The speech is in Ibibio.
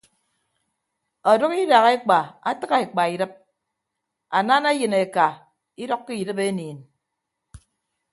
Ọdʌk idak ekpa atịgha ekpa idịp anana eyịn eka idʌkkọ idịp eniin.